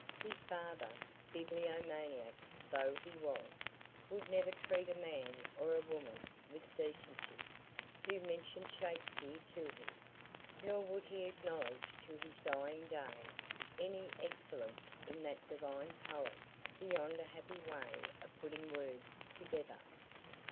His father, bibliomaniac though he was, would never treat a man or a woman with decency, who mentioned Shakspeare to him, nor would he acknowledge to his dying day any excellence in that divine poet beyond a happy way of putting words together.